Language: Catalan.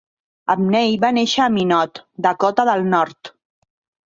Abney va néixer a Minot, Dakota del Nord.